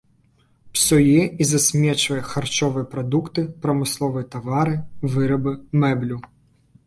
Псуе і засмечвае харчовыя прадукты, прамысловыя тавары, вырабы, мэблю.